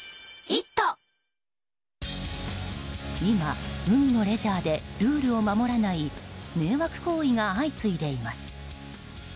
今、海のレジャーでルールを守らない迷惑行為が相次いでいます。